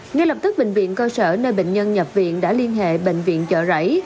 ngay lập tức bệnh viện cơ sở nơi bệnh nhân nhập viện đã liên hệ bệnh viện chợ rẫy